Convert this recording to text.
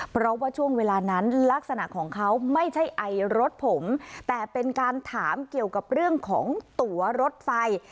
เพราะว่าช่วงเวลานั้นลักษณะของเขาไม่ใช่ไอรถผมแต่เป็นการถามเกี่ยวกับเรื่องของตัวรถไฟ